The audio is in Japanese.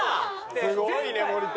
すごいね森田。